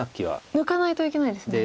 抜かないといけないですね。